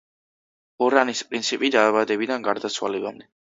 ორანის პრინცი დაბადებიდან გარდაცვალებამდე.